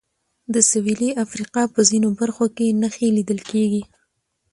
د سوېلي افریقا په ځینو برخو کې نښې لیدل کېږي.